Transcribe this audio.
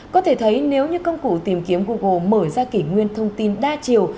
có thể thấy nếu như công cụ tìm kiếm google mở ra kỷ nguyên thông tin đa chiều